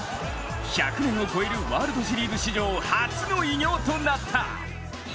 １００年を超えるワールドシリーズ史上初の偉業となった。